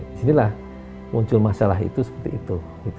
disinilah muncul masalah itu seperti itu